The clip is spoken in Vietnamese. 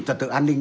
trật tự an ninh